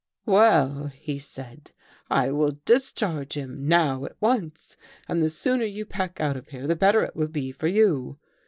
"'Well,' he said, 'I will discharge him — now — at once. And the sooner you pack out of here the better it will be for you.